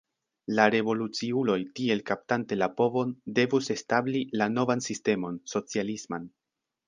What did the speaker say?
La revoluciuloj tiel kaptante la povon devus establi la novan sistemon, socialisman.